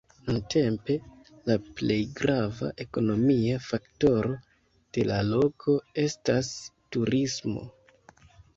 Nuntempe la plej grava ekonomia faktoro de la loko estas turismo.